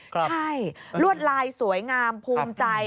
ใช่ลวดลายสวยงามภูมิใจ